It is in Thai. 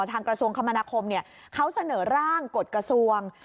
กระทรวงคมนาคมเขาเสนอร่างกฎกระทรวง